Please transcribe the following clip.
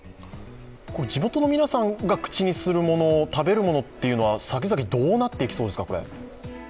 地元の皆さんが口にするもの、食べるものはさきざきどうなっていきそうですか？